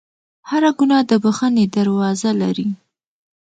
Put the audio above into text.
هر ګناه د بخښنې دروازه لري.